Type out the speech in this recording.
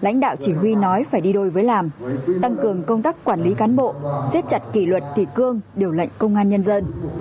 lãnh đạo chỉ huy nói phải đi đôi với làm tăng cường công tác quản lý cán bộ xếp chặt kỷ luật kỷ cương điều lệnh công an nhân dân